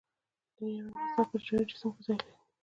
د نیورون هسته په حجروي جسم کې ځای لري.